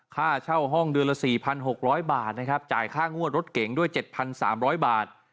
ค่าเช่าห้องเดือนละ๔๖๐๐บาทนะครับจ่ายค่างวดรถเก่งด้วย๗๓๐๐บาท